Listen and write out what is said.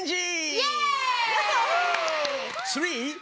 イエーイ！